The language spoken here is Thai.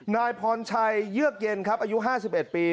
นายพรชัยเยือกเย็นครับอายุ๕๑ปี